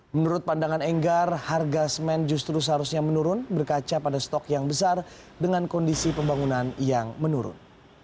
menurut pandangan enggar harga semen justru seharusnya menurun berkaca pada stok yang besar dengan kondisi pembangunan yang menurun